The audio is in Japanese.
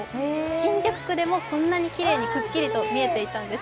新宿区でもこんなにきれいにくっきりと見えていたんです。